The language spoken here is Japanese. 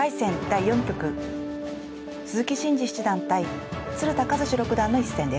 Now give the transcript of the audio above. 第４局鈴木伸二七段対鶴田和志六段の一戦です。